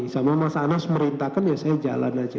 sama mas anies merintahkan ya saya jalan aja